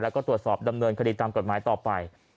แล้วก็ตรวจสอบดำเนินคดีตามกฎหมายต่อไป